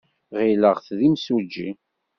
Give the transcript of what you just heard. Ɣileɣ-t d imsujji.